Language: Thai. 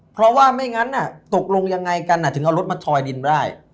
เพราะว่าไม่งั้นตกลงยังไงกันถึงเอารถมาทอยดินได้